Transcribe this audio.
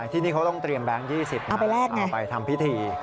ที่นี่เขาต้องเตรียมแบงค์๒๐เอาไปทำพิธี